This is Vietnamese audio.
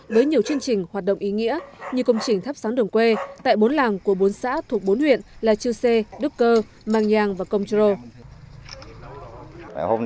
với nhiều chương trình hoạt động ý nghĩa như công trình thắp sáng đường quê tại bốn làng của bốn xã thuộc bốn huyện là chư sê đức cơ màng nhang và công trô